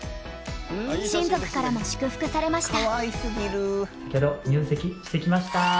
親族からも祝福されました。